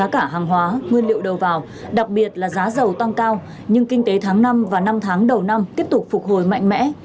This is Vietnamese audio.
cả hàng hóa nguyên liệu đầu vào đặc biệt là giá dầu tăng cao nhưng kinh tế tháng năm và năm tháng đầu năm tiếp tục phục hồi mạnh mẽ